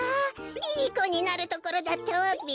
いいこになるところだったわべ。